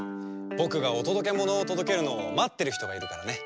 ぼくがおとどけものをとどけるのをまってるひとがいるからね。